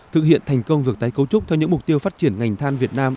thực hiện thành công việc tái cấu trúc theo những mục tiêu phát triển ngành than việt nam